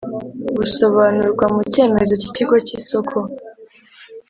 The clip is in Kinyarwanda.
Busobanurwa mu cyemezo cy ikigo cy isoko